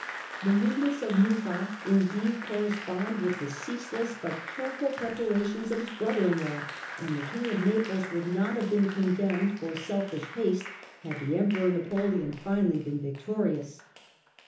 The move ments of Murat, indeed, correspond with the ceaseless but careful preparations of his brother in law, and the King of Naples would not have been condemned for selfish haste had the Emperor Napoleon finally been victorious.